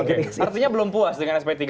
oke artinya belum puas dengan sp tiga